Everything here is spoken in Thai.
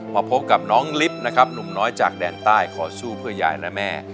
พบกับน้องลิฟต์นะครับหนุ่มน้อยจากแดนใต้ขอสู้เพื่อยายและแม่